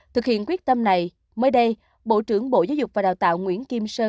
thực hiện quyết tâm này mới đây bộ trưởng bộ giáo dục và đào tạo nguyễn kim sơn